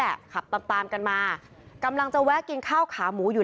แล้วก็ได้คุยกับนายวิรพันธ์สามีของผู้ตายที่ว่าโดนกระสุนเฉียวริมฝีปากไปนะคะ